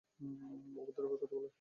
ভদ্রভাবে কথা বলুন।